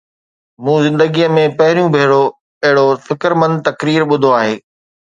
مون زندگيءَ ۾ پهريون ڀيرو اهڙو فڪرمند تقرير ٻڌو آهي.